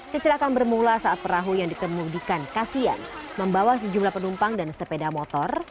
kecelakaan bermula saat perahu yang dikemudikan kasian membawa sejumlah penumpang dan sepeda motor